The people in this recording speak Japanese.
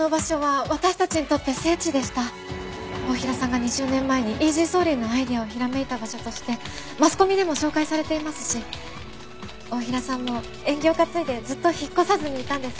太平さんが２０年前にイージーソーリーのアイデアをひらめいた場所としてマスコミでも紹介されていますし太平さんも縁起を担いでずっと引っ越さずにいたんです。